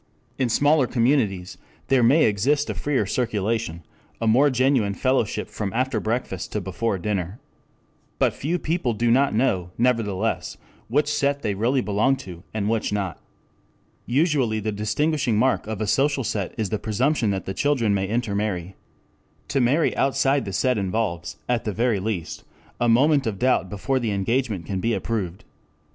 In smaller communities there may exist a freer circulation, a more genuine fellowship from after breakfast to before dinner. But few people do not know, nevertheless, which set they really belong to, and which not. Usually the distinguishing mark of a social set is the presumption that the children may intermarry. To marry outside the set involves, at the very least, a moment of doubt before the engagement can be approved.